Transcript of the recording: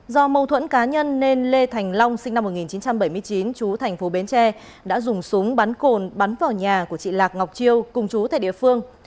do mâu thuẫn cá nhân nên lê thành long sinh năm một nghìn chín trăm bảy mươi chín chú thành phố bến tre đã dùng súng bắn cồn bắn vào nhà của chị lạc ngọc chiêu cùng chú tại địa phương